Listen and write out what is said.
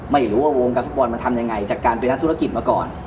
ไม่รู้ว่าวงการฟุตบอลมันทำยังไงจากการเป็นนักธุรกิจมาก่อน